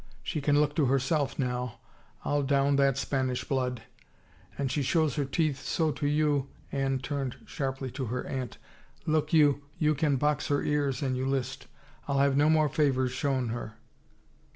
She can look to herself now. Til down that Spanish blood I An she shows her teeth so to you," Anne turned sharply to her aunt, " look you, you can box her ears an you list. I'll have no more favors shown her."